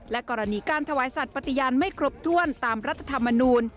กรณีการถวายสัตว์ปฏิญาณไม่ครบถ้วนตามรัฐธรรมนูล